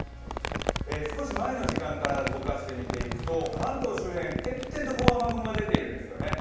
少し前の時間から動かして見ていくと関東周辺、点々と雨雲が出てるんですよね。